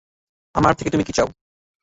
আমার থেকে তুমি কি চাও?